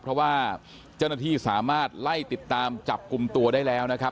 เพราะว่าเจ้าหน้าที่สามารถไล่ติดตามจับกลุ่มตัวได้แล้วนะครับ